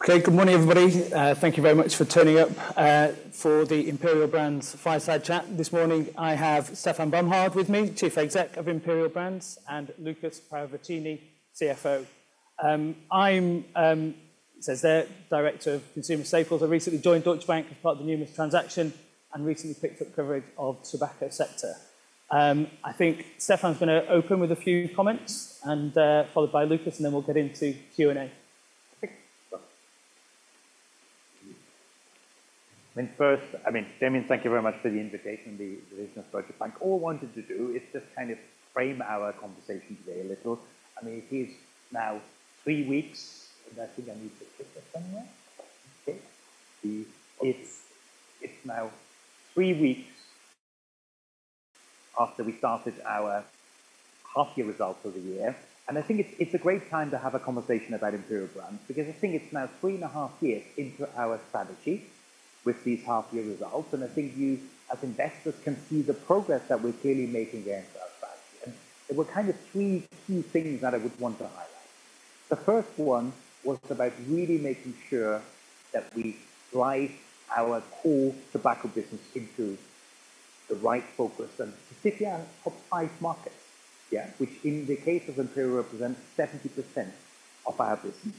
Okay. Good morning, everybody. Thank you very much for turning up for the Imperial Brands Fireside Chat. This morning, I have Stefan Bomhard with me, Chief Exec of Imperial Brands, and Lukas Paravicini, CFO. I'm Damian McNeela, Director of Consumer Staples. I recently joined Deutsche Bank as part of the M&A transactions and recently picked up coverage of tobacco sector. I think Stefan's gonna open with a few comments and followed by Lukas, and then we'll get into Q&A. I think, first, I mean, Damian, thank you very much for the invitation, Deutsche Bank. All I wanted to do is just kind of frame our conversation today a little. I mean, it is now three weeks, and I think I need to click this somewhere. Okay. It's, it's now three weeks after we started our half year results of the year, and I think it's, it's a great time to have a conversation about Imperial Brands, because I think it's now three and a half years into our strategy with these half year results. And I think you, as investors, can see the progress that we're clearly making against our strategy. And there were kind of three key things that I would want to highlight. The first one was about really making sure that we drive our core tobacco business into the right focus and specifically our top five markets, yeah, which in the case of Imperial, represents 70% of our business.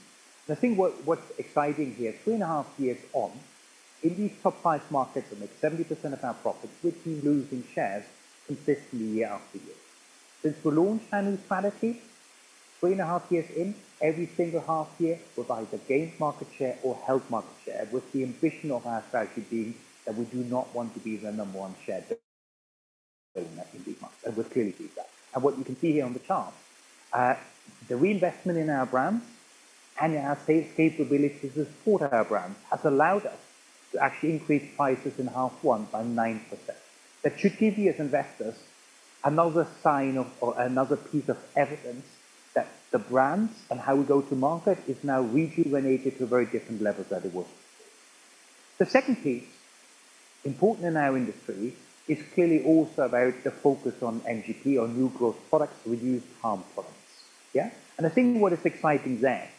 I think what, what's exciting here, three and a half years on, in these top five markets that make 70% of our profits, we've been losing shares consistently year after year. Since we launched our new strategy, three and a half years in, every single half year, we've either gained market share or held market share, with the ambition of our strategy being that we do not want to be the number one share, but in these markets, and we've clearly done that. What you can see here on the chart, the reinvestment in our brands and in our capabilities to support our brands, has allowed us to actually increase prices in H1 by 9%. That should give you, as investors, another sign of, or another piece of evidence that the brands and how we go to market is now rejuvenated to a very different level than they were. The second piece, important in our industry, is clearly also about the focus on NGP, on Next Generation Products, Reduced Harm Products. Yeah. And I think what is exciting there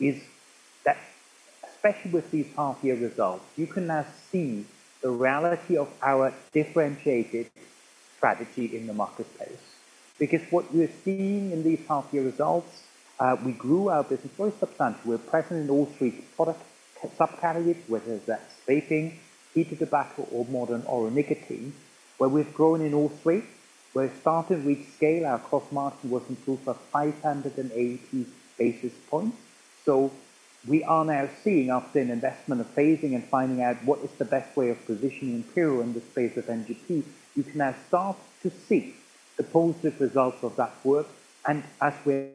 is that especially with these half year results, you can now see the reality of our differentiated strategy in the marketplace. Because what we're seeing in these half year results, we grew our business very substantially. We're present in all three product subcategories, whether that's vaping, heated tobacco, or modern oral nicotine, where we've grown in all three. Where it started, we'd scale. Our cross-market was improved by 580 basis points. So we are now seeing, after an investment of phasing and finding out what is the best way of positioning Imperial in the space of NGP, you can now start to see the positive results of that work. And as we're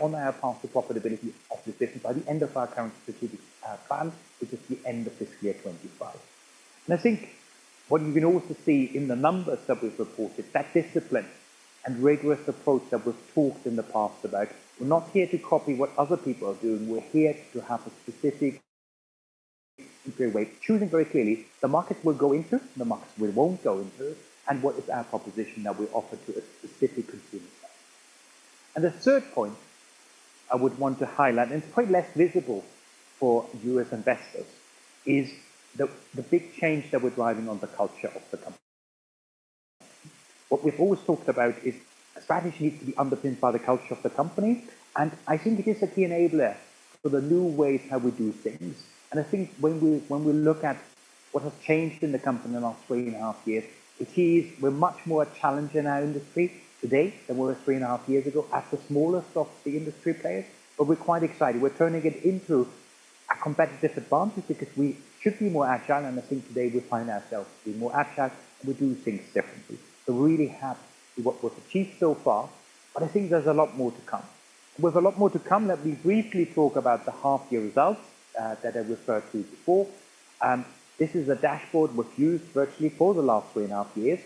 on our path to profitability of this business, by the end of our current strategic plan, which is the end of fiscal year 2025. And I think what you can also see in the numbers that we've reported, that discipline and rigorous approach that we've talked in the past about, we're not here to copy what other people are doing. We're here to have a specific, clear way, choosing very clearly the markets we'll go into, the markets we won't go into, and what is our proposition that we offer to a specific consumer set. The third point I would want to highlight, and it's quite less visible for you as investors, is the big change that we're driving on the culture of the company. What we've always talked about is strategy needs to be underpinned by the culture of the company, and I think it is a key enabler for the new ways how we do things. I think when we look at what has changed in the company in the last three and a half years, it is we're much more challenged in our industry today than we were three and a half years ago, as the smallest of the industry players. But we're quite excited. We're turning it into a competitive advantage because we should be more agile, and I think today we find ourselves to be more agile, and we do things differently. So really happy with what we've achieved so far, but I think there's a lot more to come. With a lot more to come, let me briefly talk about the half year results that I referred to before. This is a dashboard we've used virtually for the last 3.5 years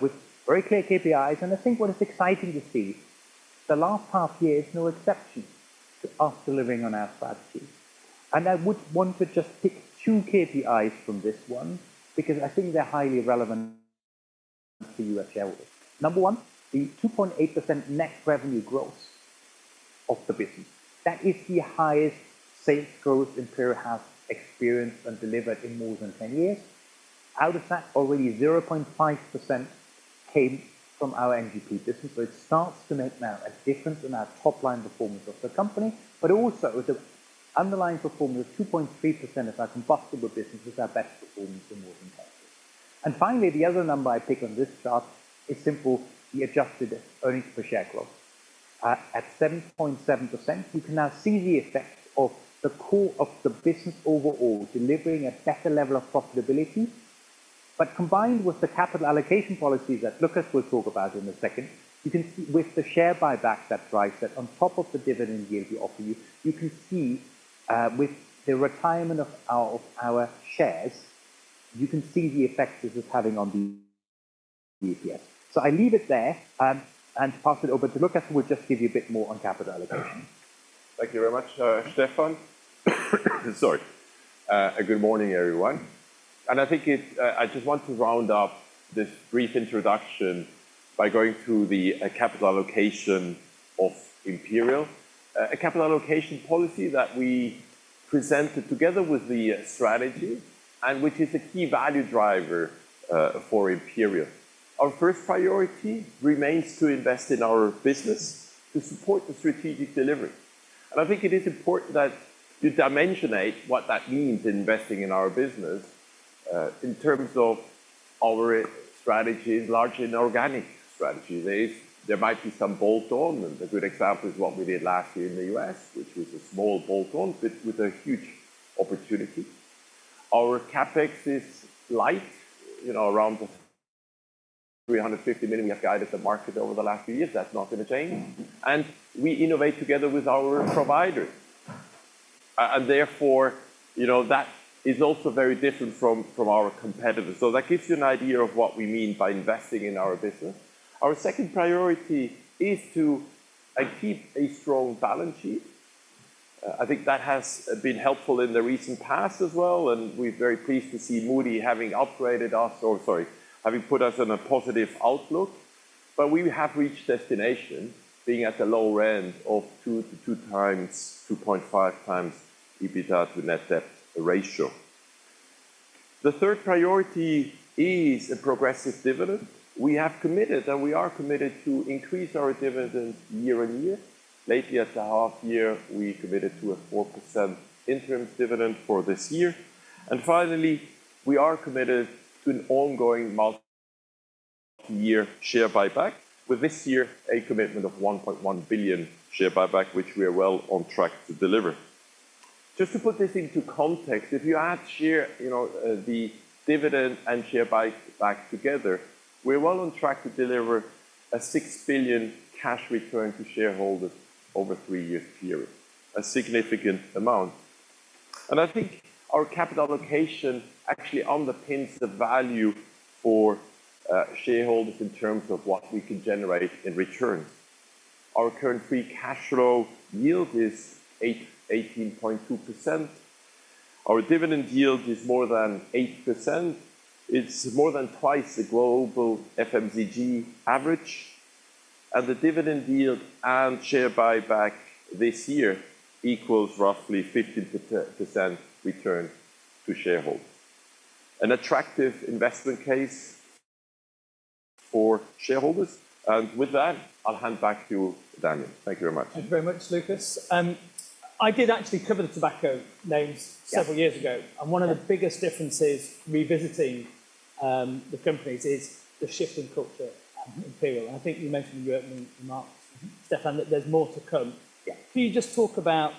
with very clear KPIs, and I think what is exciting to see, the last half year is no exception to us delivering on our strategy. I would want to just pick 2 KPIs from this one, because I think they're highly relevant to you as shareholders. Number 1, the 2.8% net revenue growth of the business. That is the highest safe growth Imperial has experienced and delivered in more than 10 years. Out of that, already 0.5% came from our NGP business, so it starts to make now a difference in our top-line performance of the company, but also the underlying performance, 2.3% of our combustible business is our best performance in more than 10 years. And finally, the other number I pick on this chart is simple, the adjusted earnings per share growth. At 7.7%, you can now see the effect of the core of the business overall, delivering a better level of profitability. But combined with the capital allocation policy that Lukas will talk about in a second, you can see... With the share buyback that drives that on top of the dividend yield we offer you, you can see, with the retirement of our, of our shares, you can see the effect this is having on the EPS. So I leave it there, and pass it over to Lukas, who will just give you a bit more on capital allocation. Thank you very much, Stefan. Sorry. Good morning, everyone. I think it's, I just want to round up this brief introduction by going to the capital allocation of Imperial. A capital allocation policy that we presented together with the strategy and which is a key value driver for Imperial. Our first priority remains to invest in our business to support the strategic delivery. I think it is important that you dimensionate what that means, investing in our business, in terms of our strategy is largely an organic strategy. There is, there might be some bolt-on, and a good example is what we did last year in the US, which was a small bolt-on, but with a huge opportunity. Our CapEx is light, you know, around 350 million we have guided the market over the last few years. That's not gonna change. We innovate together with our providers. Therefore, you know, that is also very different from our competitors. That gives you an idea of what we mean by investing in our business. Our second priority is to keep a strong balance sheet. I think that has been helpful in the recent past as well, and we're very pleased to see Moody's having upgraded us, or sorry, having put us on a positive outlook. We have reached destination, being at the low end of 2-2.5 times EBITDA to net debt ratio. The third priority is a progressive dividend. We have committed, and we are committed to increase our dividend year on year. Lately, at the half year, we committed to a 4% interim dividend for this year. Finally, we are committed to an ongoing multi-year share buyback, with this year a commitment of 1.1 billion share buyback, which we are well on track to deliver. Just to put this into context, if you add share, you know, the dividend and share buyback together, we're well on track to deliver a 6 billion cash return to shareholders over a three-year period, a significant amount. And I think our capital allocation actually underpins the value for, shareholders in terms of what we can generate in return. Our current free cash flow yield is 18.2%. Our dividend yield is more than 8%. It's more than twice the global FMCG average, and the dividend yield and share buyback this year equals roughly 15% return to shareholders. An attractive investment case for shareholders. With that, I'll hand back to you, Daniel. Thank you very much. Thank you very much, Lukas. I did actually cover the tobacco names- Yeah. Several years ago, and one of the biggest differences revisiting, the companies is the shift in culture at Imperial. I think you mentioned you working with Stefan, that there's more to come. Yeah. Can you just talk about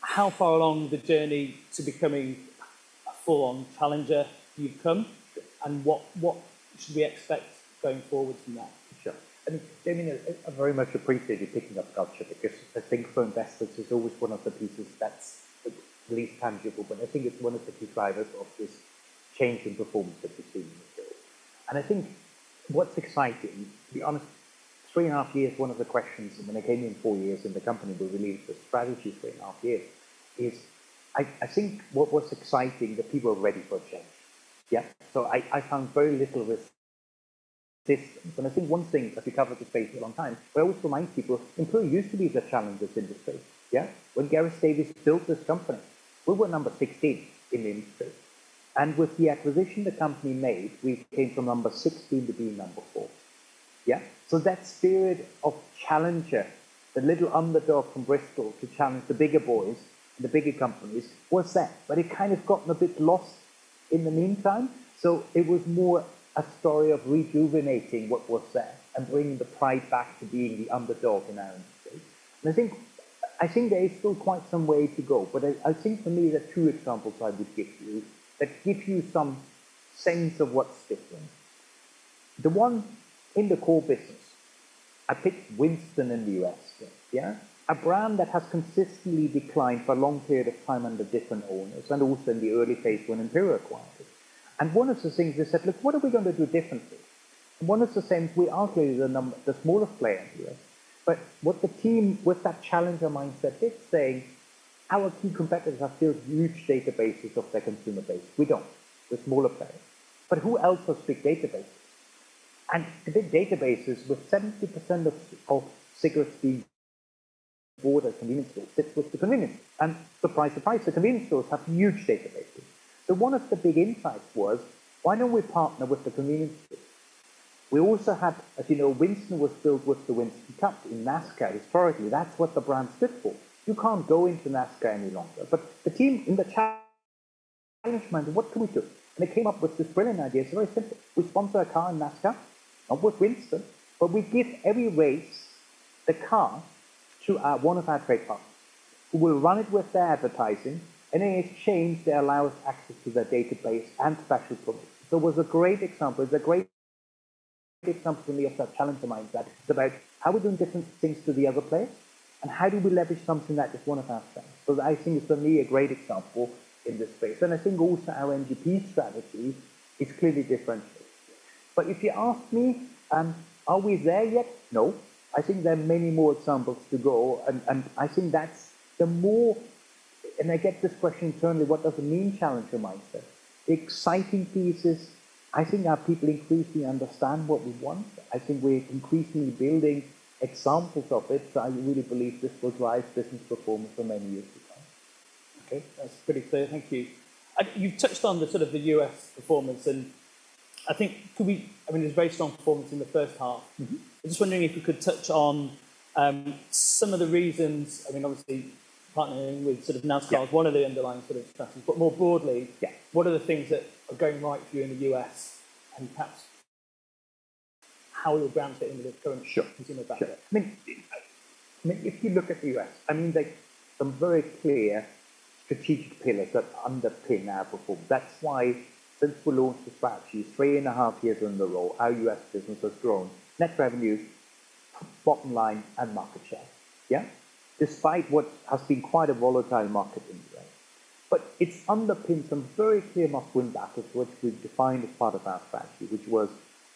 how far along the journey to becoming a full-on challenger you've come, and what, what should we expect going forward from that? Sure. And Damian, I very much appreciate you picking up culture, because I think for investors, it's always one of the pieces that's the least tangible, but I think it's one of the key drivers of this change in performance that we've seen in this area. And I think what's exciting, to be honest, 3.5 years, one of the questions, and when I came in 4 years in the company, we released the strategy 3.5 years, is I, I think what, what's exciting, that people are ready for a change. Yeah? So I, I found very little resistance, and I think one thing that we covered this space a long time, but I also remind people, Imperial used to be the challengers in the space. Yeah? When Gareth Davis built this company, we were number 16 in the industry, and with the acquisition the company made, we came from number 16 to being number 4. Yeah? So that spirit of challenger, the little underdog from Bristol, to challenge the bigger boys and the bigger companies, was set, but it kind of gotten a bit lost in the meantime. So it was more a story of rejuvenating what was there and bringing the pride back to being the underdog in our industry. And I think, I think there is still quite some way to go, but I, I think for me, there are two examples I would give you that give you some sense of what's different. The one in the core business, I picked Winston in the U.S. Yeah? A brand that has consistently declined for a long period of time under different owners, and also in the early phase when Imperial acquired it. One of the things we said, "Look, what are we gonna do differently?" One of the things, we are clearly the smallest player here, but what the team with that challenger mindset is saying, our key competitors have built huge databases of their consumer base. We don't. We're smaller players. But who else has big databases? And the big databases, with 70% of cigarettes being bought at convenience stores, sits with the convenience. And surprise, surprise, the convenience stores have huge databases. So one of the big insights was, why don't we partner with the convenience stores? We also had... As you know, Winston was built with the Winston Cup in NASCAR historically, that's what the brand stood for. You can't go into NASCAR any longer, but the team in the challenger mindset, what can we do? They came up with this brilliant idea. It's very simple. We sponsor a car in NASCAR, not with Winston, but we give every race the car to one of our trade partners, who will run it with their advertising, and in exchange, they allow us access to their database and factual products. So it was a great example. It's a great example for me of that challenger mindset. It's about how we're doing different things to the other players, and how do we leverage something that is one of our strengths. So I think it's, for me, a great example in this space. And I think also our NGP strategy is clearly differentiated.... But if you ask me, are we there yet? No, I think there are many more examples to go, and I think that's the more, and I get this question internally, what does it mean, challenger mindset? The exciting piece is I think our people increasingly understand what we want. I think we're increasingly building examples of it, so I really believe this will drive business performance for many years to come. Okay, that's pretty clear. Thank you. You've touched on the sort of the U.S. performance, and I think could we—I mean, it's very strong performance in the first half. Mm-hmm. I'm just wondering if you could touch on, some of the reasons. I mean, obviously, partnering with sort of NASCAR- Yeah... is one of the underlying sort of strategies. But more broadly- Yeah... what are the things that are going right for you in the U.S., and perhaps how you're grounding it into the current consumer behavior? Sure. I mean, if you look at the US, I mean, there are some very clear strategic pillars that underpin our performance. That's why since we launched the strategy 3.5 years down the road, our US business has grown net revenues, bottom line, and market share. Yeah? Despite what has been quite a volatile market in the US. But it's underpinned some very clear macro wins back as what we've defined as part of our strategy, which was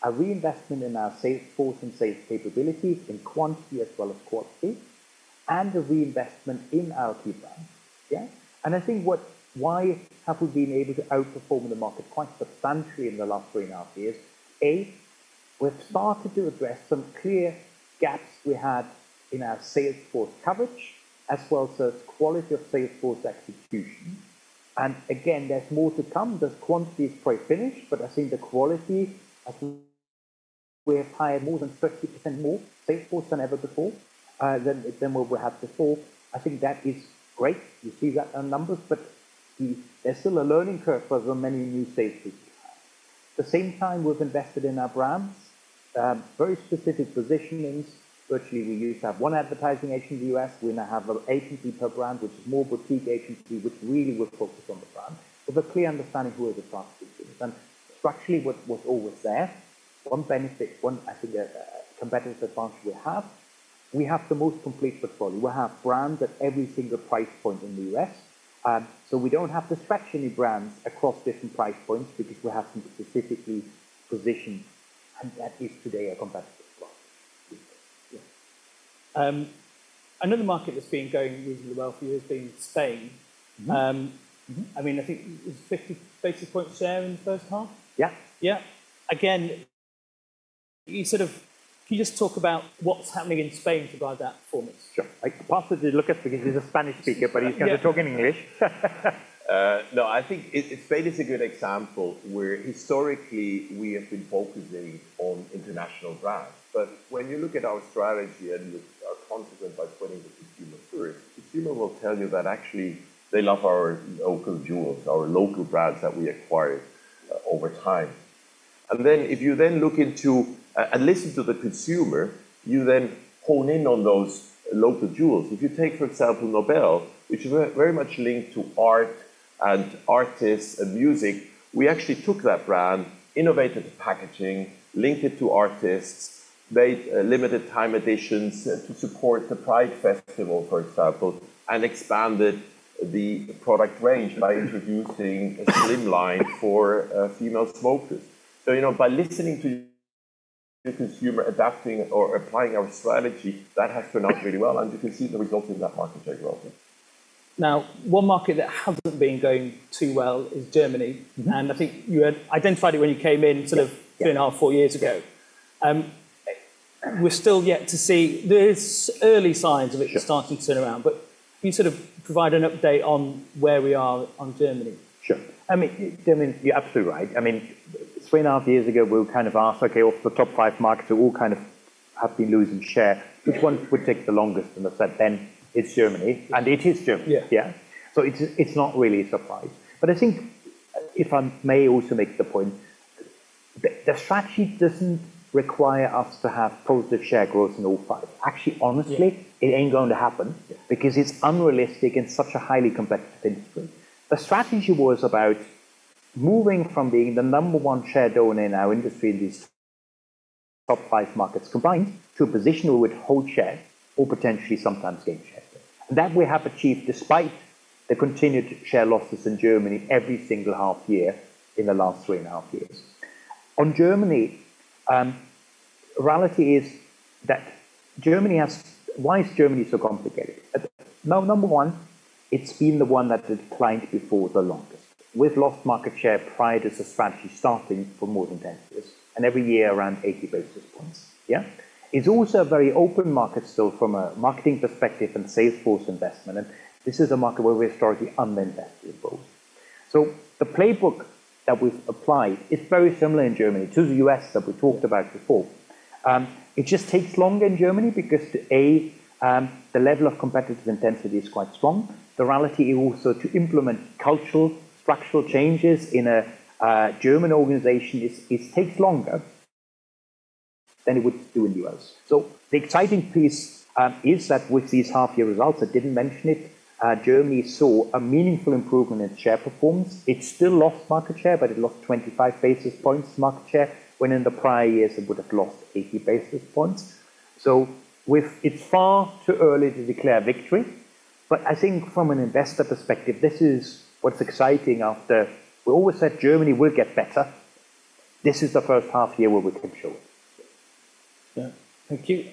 a reinvestment in our sales force and sales capability, in quantity as well as quality, and a reinvestment in our key brands. Yeah? And I think what-- why have we been able to outperform the market quite substantially in the last 3.5 years? We've started to address some clear gaps we had in our sales force coverage, as well as the quality of sales force execution. And again, there's more to come. The quantity is quite finished, but I think the quality, I think we have hired more than 30% more sales force than ever before, than, than what we had before. I think that is great. You see that in numbers, but the, there's still a learning curve for the many new sales people. At the same time, we've invested in our brands, very specific positionings. Virtually, we used to have one advertising agency in the US. We now have an agency per brand, which is more boutique agency, which really will focus on the brand. With a clear understanding of who the brand speaks to. Structurally, what's always there, one benefit, I think, a competitive advantage we have: we have the most complete portfolio. We have brands at every single price point in the U.S. So we don't have to fractionally brand across different price points because we have them specifically positioned, and that is today a competitive as well. Yeah. Another market that's been going really well for you has been Spain. Mm-hmm. I mean, I think it's 50 basis point share in the first half? Yeah. Yeah. Again, can you just talk about what's happening in Spain to drive that performance? Sure. I pass it to Lukas because he's a Spanish speaker, but he can talk in English. No, I think, Spain is a good example where historically we have been focusing on international brands. But when you look at our strategy and you are consequent by putting the consumer first, the consumer will tell you that actually they love our local jewels, our local brands that we acquired over time. And then, if you then look into and listen to the consumer, you then hone in on those local jewels. If you take, for example, Nobel, which is very, very much linked to art and artists and music, we actually took that brand, innovated the packaging, linked it to artists, made limited time editions to support the Pride Festival, for example, and expanded the product range by introducing a slim line for female smokers. You know, by listening to the consumer, adapting or applying our strategy, that has turned out really well, and you can see the results in that market very well. Now, one market that hasn't been going too well is Germany, and I think you had identified it when you came in sort of 2.5, 4 years ago. We're still yet to see... There's early signs of it starting to turn around, but can you sort of provide an update on where we are on Germany? Sure. I mean, Germany, you're absolutely right. I mean, 3.5 years ago, we kind of asked, okay, all the top 5 markets are all kind of have been losing share. Yeah. Which one would take the longest? And I said then, "It's Germany." And it is Germany. Yeah. Yeah. So it's not really a surprise. But I think if I may also make the point, the strategy doesn't require us to have positive share growth in all five. Actually, honestly- Yeah... it ain't going to happen because it's unrealistic in such a highly competitive industry. The strategy was about moving from being the number one share owner in our industry in these top five markets, combined to a position where we'd hold share or potentially sometimes gain share. That we have achieved, despite the continued share losses in Germany every single half year in the last three and a half years. On Germany, reality is that Germany has. Why is Germany so complicated? Now, number one, it's been the one that declined before the longest. We've lost market share prior to the strategy starting for more than 10 years, and every year around 80 basis points. Yeah? It's also a very open market still from a marketing perspective and sales force investment, and this is a market where we're historically underinvested both. So the playbook that we've applied is very similar in Germany to the U.S., that we talked about before. It just takes longer in Germany because the level of competitive intensity is quite strong. The reality is also to implement cultural structural changes in a German organization, is takes longer than it would do in the U.S. So the exciting piece is that with these half year results, I didn't mention it, Germany saw a meaningful improvement in share performance. It still lost market share, but it lost 25 basis points market share, when in the prior years, it would have lost 80 basis points. So it's far too early to declare victory. But I think from an investor perspective, this is what's exciting after. We always said Germany will get better. This is the first half year where we can show it. Yeah. Thank you.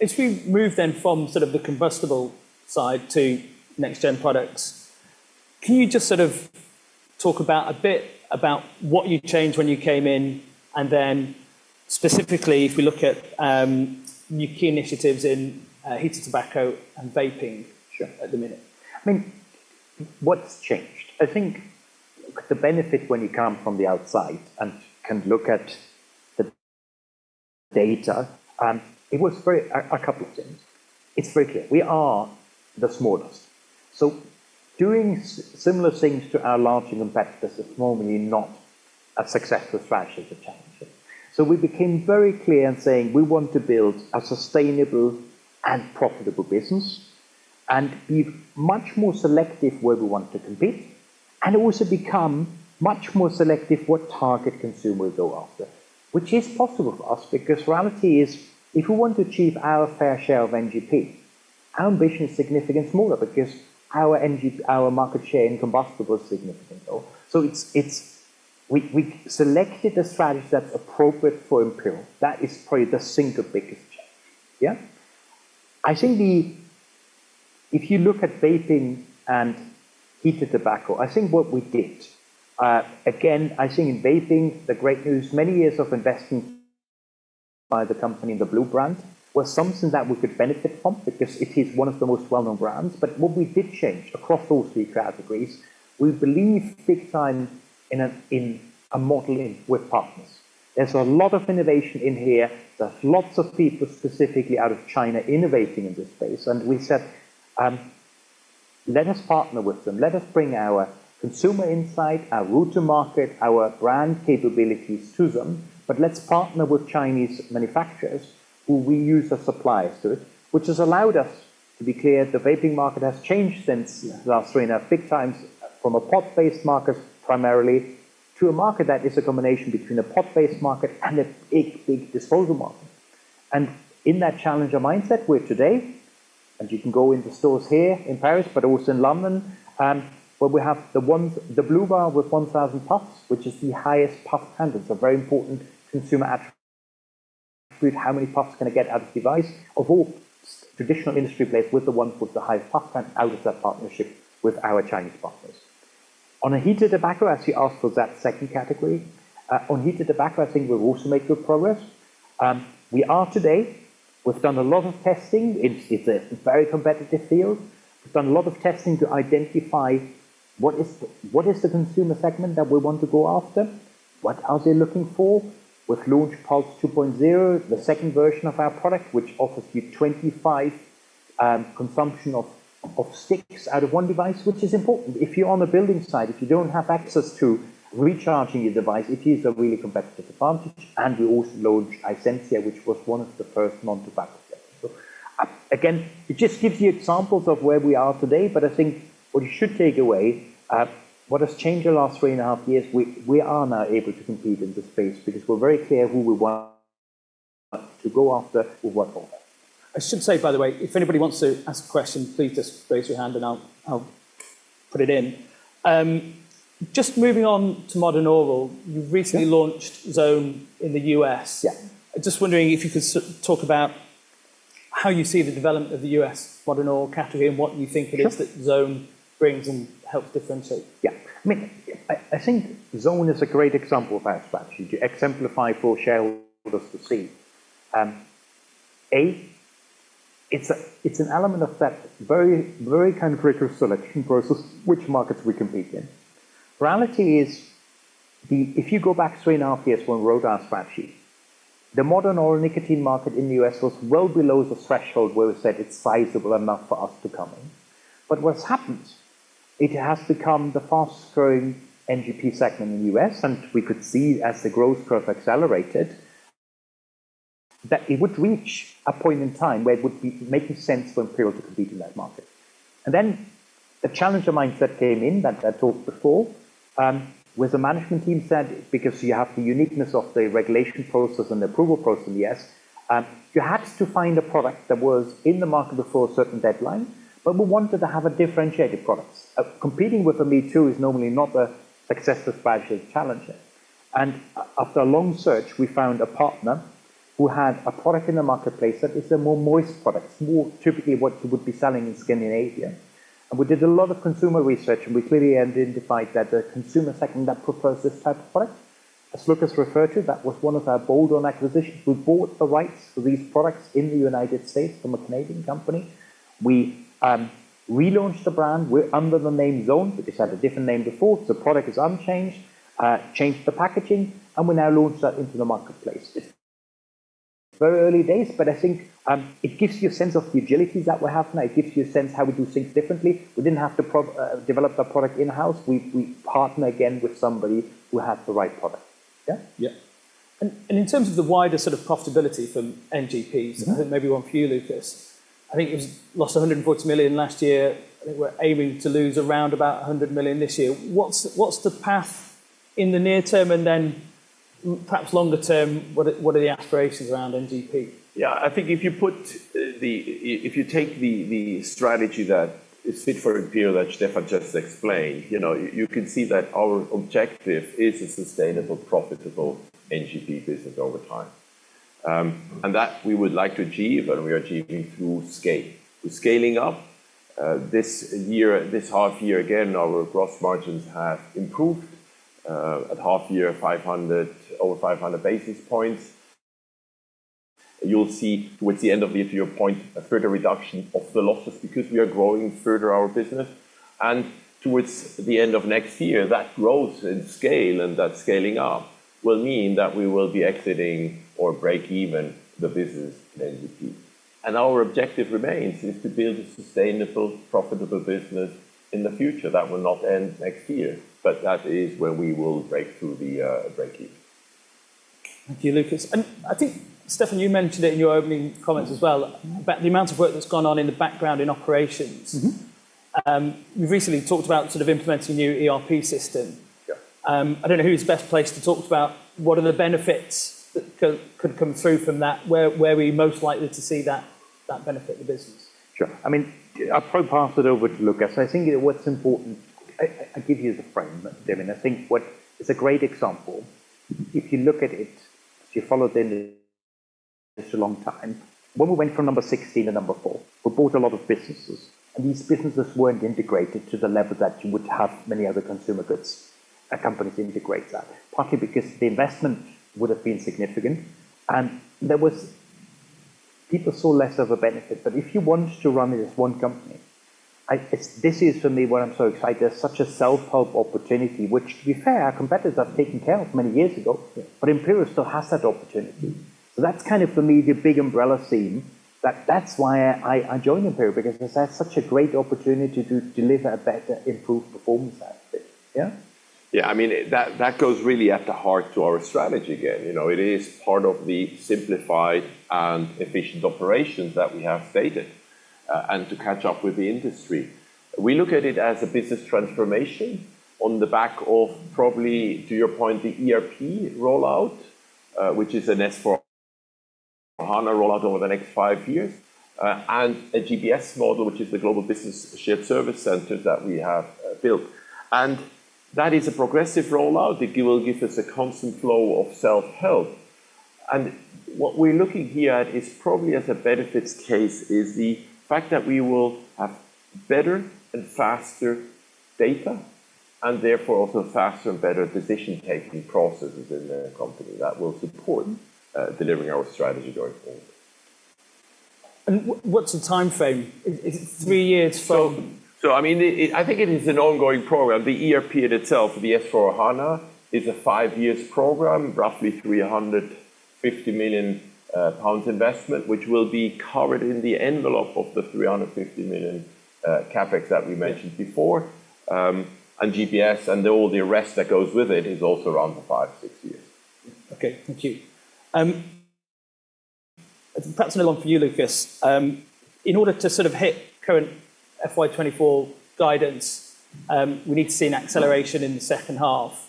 As we move then from sort of the combustible side to next gen products, can you just sort of talk about a bit about what you changed when you came in, and then specifically, if we look at, your key initiatives in, heated tobacco and vaping? Sure. at the minute? I mean, what's changed? I think the benefit when you come from the outside and can look at the data, and it was very, a couple of things. It's very clear, we are the smallest. So doing similar things to our larger competitors is normally not a successful strategy to challenge it. So we became very clear in saying we want to build a sustainable and profitable business and be much more selective where we want to compete, and also become much more selective what target consumer we go after. Which is possible for us, because reality is, if we want to achieve our fair share of NGP, our ambition is significantly smaller because our NGP, our market share in combustible is significant, so. So it's we selected a strategy that's appropriate for Imperial. That is probably the single biggest change. Yeah. I think the... If you look at vaping and heated tobacco, I think what we did, again, I think in vaping, the great news, many years of investing by the company in the blu brand, was something that we could benefit from because it is one of the most well-known brands. But what we did change across all three categories, we believe big time in a, in a modeling with partners. There's a lot of innovation in here. There's lots of people specifically out of China innovating in this space, and we said, let us partner with them. Let us bring our consumer insight, our route to market, our brand capabilities to them, but let's partner with Chinese manufacturers who we use as suppliers to it, which has allowed us to be clear. The vaping market has changed since- Yeah. Last three and a half, big times from a pod-based market primarily, to a market that is a combination between a pod-based market and a big, big disposable market. And in that challenger mindset, we're today, and you can go into stores here in Paris, but also in London, where we have the one, the blu bar with 1000 puffs, which is the highest puff count. It's a very important consumer attribute, how many puffs can I get out of device. Of all traditional industry players, we're the one with the highest puff count out of that partnership with our Chinese partners. On a heated tobacco, as you asked for that second category, on heated tobacco, I think we've also made good progress. We are today, we've done a lot of testing. It's a very competitive field. We've done a lot of testing to identify what is the consumer segment that we want to go after? What are they looking for? We've launched Pulze 2.0, the second version of our product, which offers you 25 consumption of sticks out of one device, which is important. If you're on the building site, if you don't have access to recharging your device, it is a really competitive advantage, and we also launched iSenzia, which was one of the first non-tobacco devices. So, again, it just gives you examples of where we are today, but I think what you should take away, what has changed in the last 3.5 years, we are now able to compete in this space because we're very clear who we want to go after with what product. I should say, by the way, if anybody wants to ask a question, please just raise your hand and I'll put it in. Just moving on to modern oral, you've recently- Yeah. launched Zone in the US. Yeah. Just wondering if you could talk about how you see the development of the US modern oral category and what you think it is? Sure. that Zone brings and helps differentiate? Yeah. I mean, I think Zone is a great example of our strategy, to exemplify for shareholders to see. It's an element of that very, very kind of rigorous selection process, which markets we compete in. Reality is, if you go back 3.5 years when we wrote our strategy, the modern oral nicotine market in the U.S. was well below the threshold where we said it's sizable enough for us to come in. But what's happened, it has become the fastest growing NGP segment in the U.S., and we could see as the growth curve accelerated, that it would reach a point in time where it would be making sense for Imperial to compete in that market. And then the challenger mindset came in that I talked before, where the management team said, because you have the uniqueness of the regulation process and the approval process in the US, you had to find a product that was in the market before a certain deadline, but we wanted to have a differentiated product. Competing with a me-too is normally not a successful strategy as challenger. And after a long search, we found a partner who had a product in the marketplace that is a more moist product, more typically what you would be selling in Scandinavia. And we did a lot of consumer research, and we clearly identified that the consumer segment that prefers this type of product, as Lukas referred to, that was one of our bolt-on acquisitions. We bought the rights to these products in the United States from a Canadian company. We relaunched the brand. We're under the name Zone, because it had a different name before. The product is unchanged, changed the packaging, and we now launched that into the marketplace. It's very early days, but I think, it gives you a sense of the agility that will happen. It gives you a sense how we do things differently. We didn't have to develop the product in-house. We partner again with somebody who had the right product. Yeah? Yeah. And in terms of the wider sort of profitability from NGPs- Mm-hmm. I think maybe one for you, Lukas. I think you lost 140 million last year. I think we're aiming to lose around about 100 million this year. What's, what's the path in the near term, and then, perhaps longer term, what are, what are the aspirations around NGP? Yeah, I think if you take the strategy that is fit for Imperial that Stefan just explained, you know, you can see that our objective is a sustainable, profitable NGP business over time. And that we would like to achieve, and we are achieving through scale. Through scaling up, this year, this half year, again, our gross margins have improved, at half year, over 500 basis points. You'll see towards the end of the year point, a further reduction of the losses because we are growing further our business. And towards the end of next year, that growth in scale and that scaling up will mean that we will be exiting or break even the business in NGP. And our objective remains is to build a sustainable, profitable business in the future. That will not end next year, but that is where we will break through the breakeven. Thank you, Lukas. I think, Stefan, you mentioned it in your opening comments as well, about the amount of work that's gone on in the background in operations. Mm-hmm. You've recently talked about sort of implementing a new ERP system. Yeah. I don't know who's best placed to talk about what are the benefits that could come through from that, where are we most likely to see that benefit the business? Sure. I mean, I'll probably pass it over to Lukas. I think what's important... I give you the frame, Damian. I think what is a great example, if you look at it, if you follow the industry for a long time, when we went from number 16 to number 4, we bought a lot of businesses, and these businesses weren't integrated to the level that you would have many other consumer goods companies integrate that. Partly because the investment would have been significant, and there was people saw less of a benefit. But if you want to run it as one company, I, this is, for me, why I'm so excited. There's such a self-help opportunity, which, to be fair, our competitors have taken care of many years ago- Yeah. But Imperial still has that opportunity. Mm-hmm. So that's kind of for me, the big umbrella theme, that that's why I joined Imperial, because that's such a great opportunity to deliver a better improved performance out of it. Yeah? Yeah, I mean, that, that goes really at the heart to our strategy again. You know, it is part of the simplified and efficient operations that we have stated, and to catch up with the industry. We look at it as a business transformation on the back of probably, to your point, the ERP rollout, which is an S/4HANA rollout over the next five years, and a GPS model, which is the Global Business Shared Service Center that we have built. And that is a progressive rollout that will give us a constant flow of self-help. And what we're looking here at is probably as a benefits case, is the fact that we will have better and faster data, and therefore, also faster and better decision-taking processes in the company that will support delivering our strategy going forward. What's the time frame? Is it three years from- So, I mean, I think it is an ongoing program. The ERP in itself, the S/4HANA, is a 5-year program, roughly 350 million pounds investment, which will be covered in the envelope of the 350 million CapEx that we mentioned before. And GPS, and all the rest that goes with it, is also around for 5-6 years. Okay, thank you. Perhaps another one for you, Lukas. In order to sort of hit current FY 2024 guidance, we need to see an acceleration in the second half.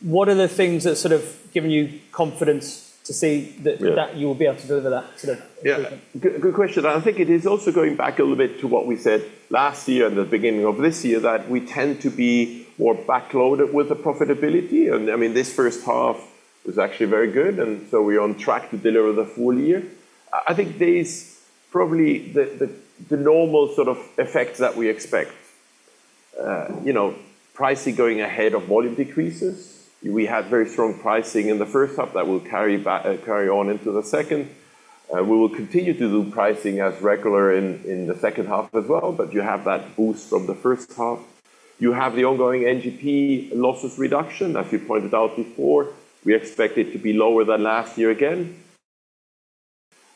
What are the things that sort of given you confidence to see that- Yeah that you will be able to deliver that today? Yeah. Good, good question, and I think it is also going back a little bit to what we said last year and the beginning of this year, that we tend to be more backloaded with the profitability. I mean, this first half is actually very good, and so we're on track to deliver the full year. I think there's probably the normal sort of effects that we expect. You know, pricing going ahead of volume decreases. We had very strong pricing in the first half that will carry back, carry on into the second. We will continue to do pricing as regular in the second half as well, but you have that boost from the first half. You have the ongoing NGP losses reduction, as you pointed out before. We expect it to be lower than last year again.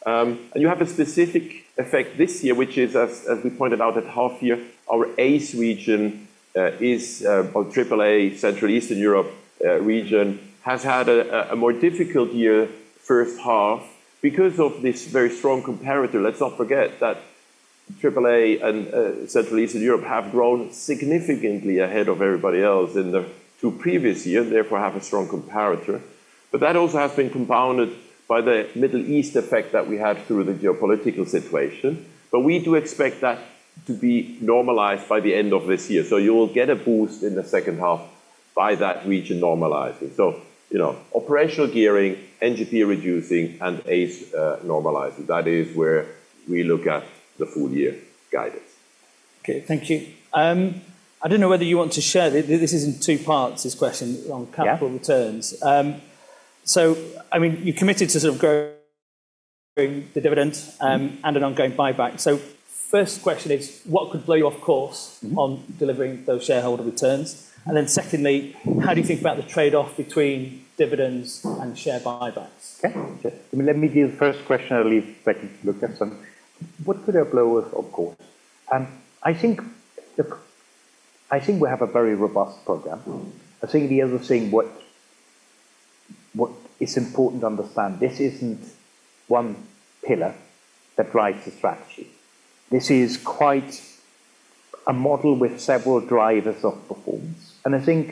And you have a specific effect this year, which is as we pointed out at half year, our ACE region, is or triple A, Central and Eastern Europe, region, has had a more difficult year, first half, because of this very strong comparator. Let's not forget that triple A and Central and Eastern Europe have grown significantly ahead of everybody else in the two previous years, therefore, have a strong comparator. But that also has been compounded by the Middle East effect that we had through the geopolitical situation. But we do expect that to be normalized by the end of this year. So you will get a boost in the second half by that region normalizing. So, you know, operational gearing, NGP reducing, and ACE, normalizing. That is where we look at the full year guidance. Okay, thank you. I don't know whether you want to share this. This is in two parts, this question on capital returns. Yeah. So I mean, you committed to sort of growing the dividend, and an ongoing buyback. So first question is, what could blow you off course? Mm-hmm on delivering those shareholder returns? And then secondly, how do you think about the trade-off between dividends and share buybacks? Okay. Sure. Let me do the first question, I'll leave second to Lukas then. What could have blown us off course? I think, look, I think we have a very robust program. I think we are seeing what is important to understand, this isn't one pillar that drives the strategy. This is quite a model with several drivers of performance. And I think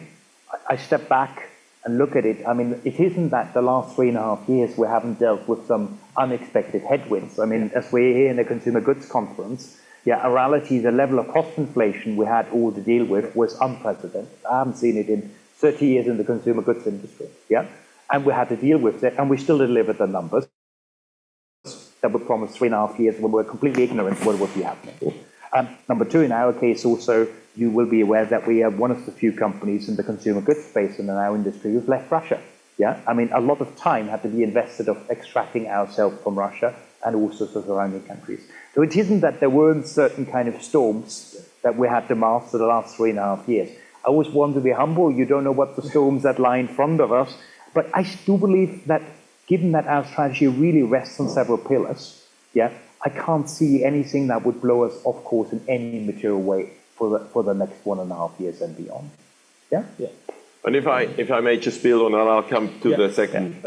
if I step back and look at it, I mean, it isn't that the last 3.5 years we haven't dealt with some unexpected headwinds. I mean, as we're here in the consumer goods conference, yeah, in reality, the level of cost inflation we had all to deal with was unprecedented. I haven't seen it in 30 years in the consumer goods industry. Yeah? We had to deal with it, and we still delivered the numbers that were promised three and a half years when we were completely ignorant what would be happening. Number two, in our case, also, you will be aware that we are one of the few companies in the consumer goods space and in our industry who's left Russia. Yeah? I mean, a lot of time had to be invested of extracting ourselves from Russia and also the surrounding countries. So it isn't that there weren't certain kind of storms that we had to master the last three and a half years. I always want to be humble. You don't know what the storms that lie in front of us, but I do believe that given that our strategy really rests on several pillars, yeah, I can't see anything that would blow us off course in any material way for the next one and a half years and beyond. Yeah? Yeah. And if I may just build on that, I'll come to the second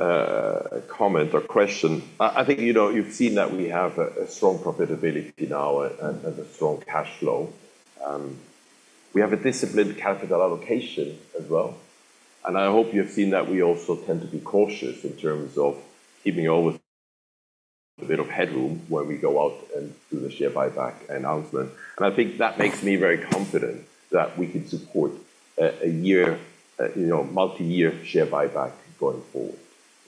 comment or question. I think, you know, you've seen that we have a strong profitability now and a strong cash flow. We have a disciplined capital allocation as well, and I hope you've seen that we also tend to be cautious in terms of keeping always a bit of headroom when we go out and do the share buyback announcement. And I think that makes me very confident that we can support a year, you know, multi-year share buyback going forward.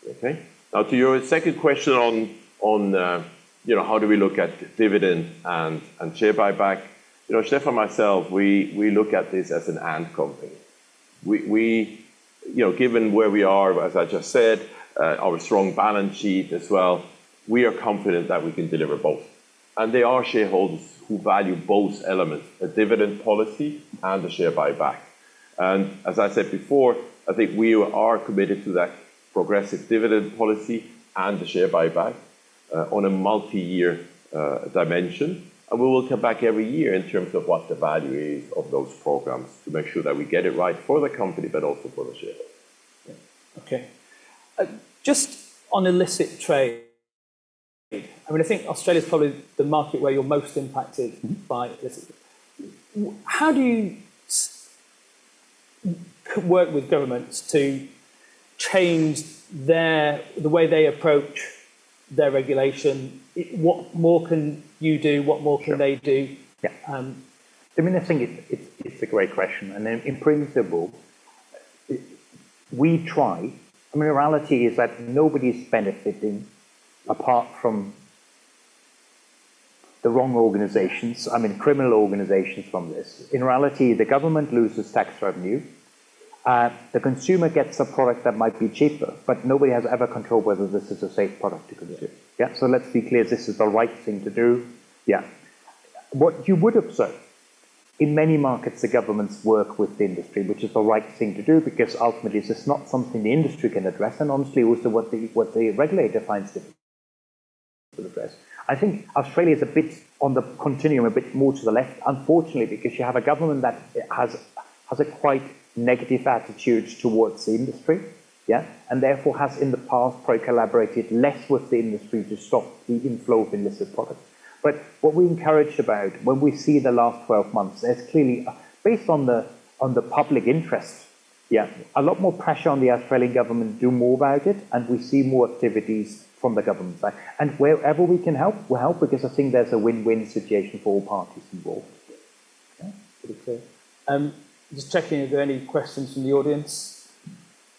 Okay? Now, to your second question on, you know, how do we look at dividend and share buyback? You know, Stefan and myself, we look at this as an and company. You know, given where we are, as I just said, our strong balance sheet as well, we are confident that we can deliver both. And there are shareholders who value both elements, a dividend policy and a share buyback. And as I said before, I think we are committed to that progressive dividend policy and the share buyback, on a multi-year dimension, and we will come back every year in terms of what the value is of those programs to make sure that we get it right for the company, but also for the shareholders. Okay. Just on illicit trade, I mean, I think Australia is probably the market where you're most impacted by illicit. How do you work with governments to change their, the way they approach their regulation? What more can you do? What more can they do? Yeah. Um... I mean, I think it's a great question, and in principle, we try. I mean, the reality is that nobody's benefiting apart from the wrong organizations, I mean, criminal organizations from this. In reality, the government loses tax revenue, the consumer gets a product that might be cheaper, but nobody has ever controlled whether this is a safe product to consume. Yeah? So let's be clear, this is the right thing to do. Yeah. What you would observe, in many markets, the governments work with the industry, which is the right thing to do, because ultimately, it's just not something the industry can address, and honestly, also what the regulator finds to address. I think Australia is a bit on the continuum, a bit more to the left, unfortunately, because you have a government that has a quite negative attitude towards the industry, yeah, and therefore has, in the past, proactively collaborated less with the industry to stop the inflow of illicit products. But what we are encouraged about when we see the last 12 months, there's clearly, based on the public interest, yeah, a lot more pressure on the Australian government to do more about it, and we see more activities from the government side. And wherever we can help, we'll help because I think there's a win-win situation for all parties involved. Yeah, pretty clear. Just checking if there are any questions from the audience.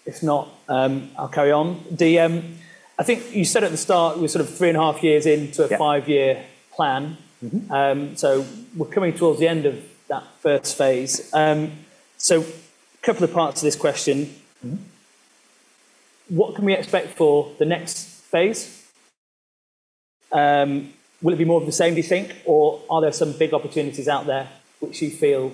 If not, I'll carry on. DM, I think you said at the start, we're sort of 3.5 years into a 5-year- Yeah... plan. Mm-hmm. So we're coming towards the end of that first phase. So couple of parts to this question. Mm-hmm. What can we expect for the next phase? Will it be more of the same, do you think, or are there some big opportunities out there which you feel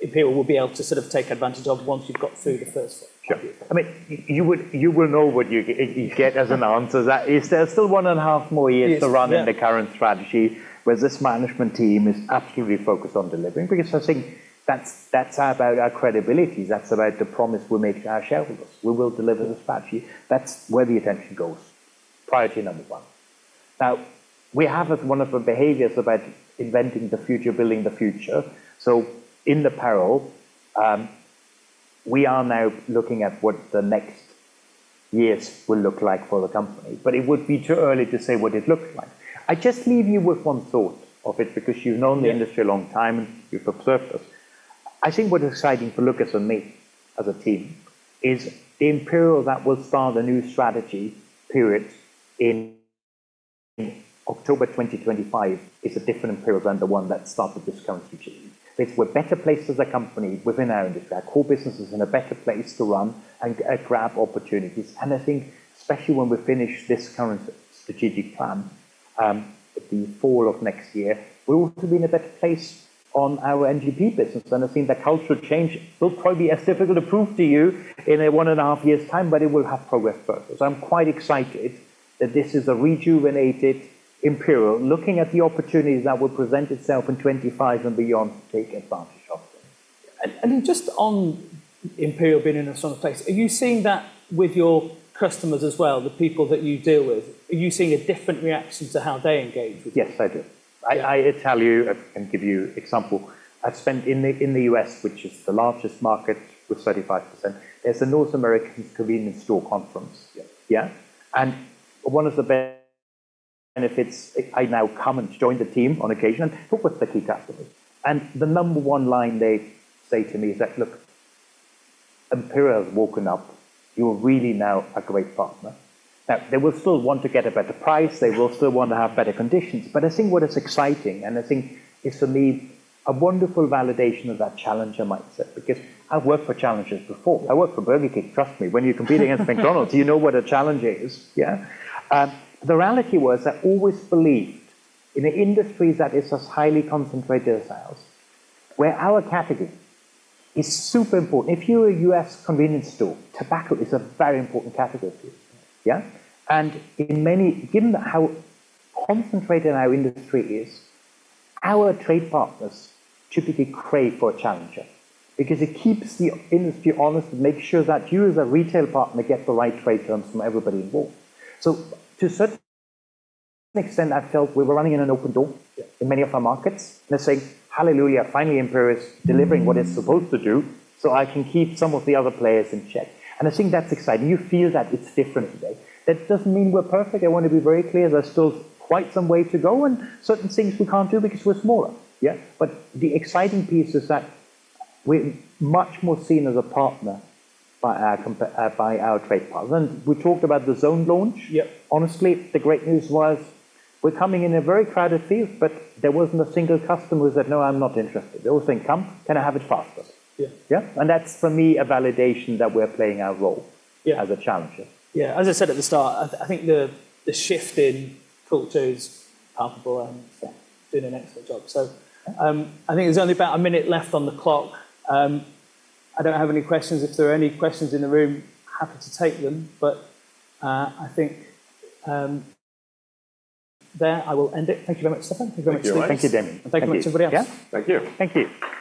Imperial will be able to sort of take advantage of once you've got through the first one? Sure. I mean, you would, you will know what you, you get as an answer. There's still 1.5 more years- Yes... to run in the current strategy, where this management team is absolutely focused on delivering, because I think that's, that's about our credibility. That's about the promise we make to our shareholders. We will deliver the strategy. That's where the attention goes. Priority number one. Now, we have as one of the behaviors about inventing the future, building the future. So in parallel, we are now looking at what the next years will look like for the company, but it would be too early to say what it looks like. I just leave you with one thought on it, because you've known the industry a long time, and you've observed us. I think what is exciting to look at for me, as a team, is the Imperial that will start a new strategy period in October 2025 is a different Imperial than the one that started this current strategy. We're better placed as a company within our industry. Our core business is in a better place to run and, and grab opportunities, and I think especially when we finish this current strategic plan, the fall of next year, we want to be in a better place on our NGP business. And I think the cultural change will probably be as difficult to prove to you in a one and a half years' time, but it will have progress first. I'm quite excited that this is a rejuvenated Imperial, looking at the opportunities that will present itself in 2025 and beyond to take advantage of.... And just on Imperial being in a stronger place, are you seeing that with your customers as well, the people that you deal with? Are you seeing a different reaction to how they engage with you? Yes, I do. Yeah. I tell you, I can give you example. I've spent in the US, which is the largest market with 35%, there's a North American convenience store conference. Yeah. Yeah? And one of the benefits, I now come and join the team on occasion, but with the key customers. And the number one line they say to me is that, "Look, Imperial has woken up. You're really now a great partner." Now, they will still want to get a better price. They will still want to have better conditions. But I think what is exciting, and I think it's, for me, a wonderful validation of that challenger mindset, because I've worked for challengers before. I worked for Burger King. Trust me, when you're competing against McDonald's, you know what a challenge is, yeah? The reality was, I always believed in an industry that is as highly concentrated as ours, where our category is super important. If you're a US convenience store, tobacco is a very important category to you, yeah? And given how concentrated our industry is, our trade partners typically crave for a challenger because it keeps the industry honest and makes sure that you, as a retail partner, get the right trade terms from everybody involved. So to a certain extent, I felt we were running in an open door- Yeah... in many of our markets, and they're saying, "Hallelujah, finally, Imperial is delivering what it's supposed to do, so I can keep some of the other players in check." I think that's exciting. You feel that it's different today. That doesn't mean we're perfect. I want to be very clear, there's still quite some way to go, and certain things we can't do because we're smaller, yeah? The exciting piece is that we're much more seen as a partner by our trade partners. We talked about the Zone launch. Yeah. Honestly, the great news was we're coming in a very crowded field, but there wasn't a single customer who said, "No, I'm not interested." They all think, "Come, can I have it faster? Yeah. Yeah. And that's, for me, a validation that we're playing our role- Yeah... as a challenger. Yeah. As I said at the start, I think the shift in culture is powerful and yeah, doing an excellent job. So, I think there's only about a minute left on the clock. I don't have any questions. If there are any questions in the room, happy to take them, but, I think, I will end it. Thank you very much, Stefan. Thank you very much. Thank you, guys. Thank you, Damian. And thank you, everybody else. Yeah. Thank you. Thank you.